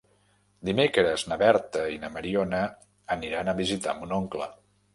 Dimecres na Berta i na Mariona aniran a visitar mon oncle.